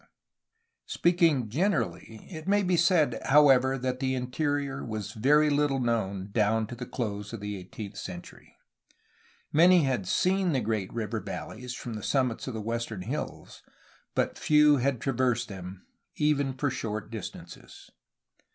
Speaking generally, it may be said, however, that the interior was very little known, down to the close of the eighteenth century. Many had seen the great river valleys from the summits of the western hills, but few had traversed them, even for short distances.